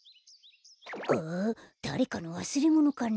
あだれかのわすれものかな？